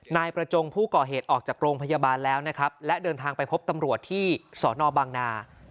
นายประจงผู้ก่อเหตุออกจากโรงพยาบาลแล้วนะครับและเดินทางไปพบตำรวจที่สอนอบางนา